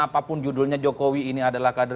apapun judulnya jokowi ini adalah kader